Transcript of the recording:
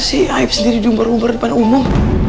si aib sendiri diumbar umbar depan umum